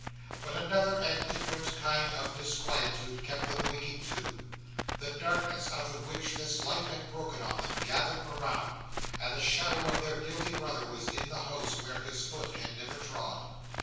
But another and different kind of disquietude kept them waking too. The darkness out of which this light had broken on them gathered around; and the shadow of their guilty brother was in the house where his foot had never trod.